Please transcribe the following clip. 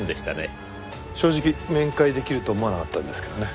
正直面会できると思わなかったんですけどね。